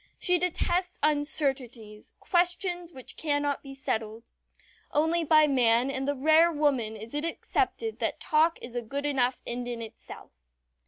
She detests uncertainties questions which cannot be settled. Only by man and the rare woman is it accepted that talk is a good enough end in itself.